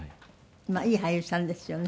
いい俳優さんですよね。